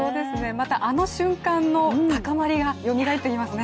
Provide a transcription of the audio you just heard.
またあの瞬間の高まりがよみがえってきますね。